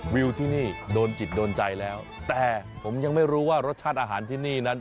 วิวที่นี่โดนจิตโดนใจแล้วแต่ผมยังไม่รู้ว่ารสชาติอาหารที่นี่นั้น